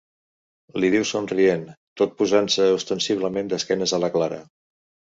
Li diu somrient, tot posant-se ostensiblement d'esquenes a la Clara—.